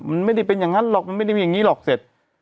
มันไม่ได้เป็นอย่างนั้นหรอกมันไม่ได้มีอย่างนี้หรอกเสร็จ